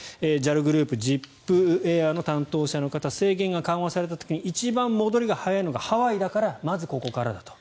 ＪＡＬグループＺＩＰＡＩＲの担当者の方制限が緩和された時に一番早いのはハワイだからだと。